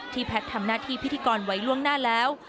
แพทย์ทำหน้าที่พิธีกรไว้ล่วงหน้าแล้ว